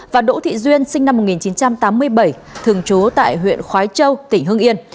và đỗ thị duyên sinh năm một nghìn chín trăm tám mươi bảy thường trú tại huyện khói châu tỉnh hương yên